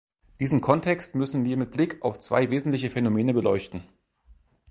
Diesen Kontext müssen wir mit Blick auf zwei wesentliche Phänomene beleuchten.